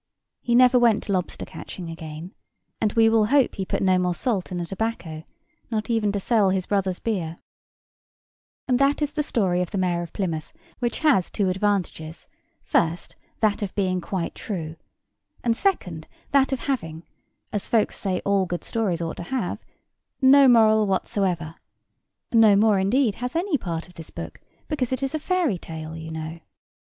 He never went lobster catching again; and we will hope he put no more salt in the tobacco, not even to sell his brother's beer. [Picture: The Mayor of Plymouth] And that is the story of the Mayor of Plymouth, which has two advantages—first, that of being quite true; and second, that of having (as folks say all good stories ought to have) no moral whatsoever: no more, indeed, has any part of this book, because it is a fairy tale, you know.